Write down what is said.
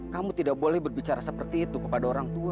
kamu tidak boleh berbicara seperti itu kepada orang tua